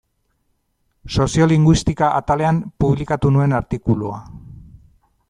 Soziolinguistika atalean publikatu nuen artikulua.